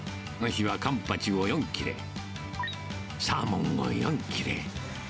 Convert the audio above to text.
この日はカンパチを４切れ、サーモンを４切れ。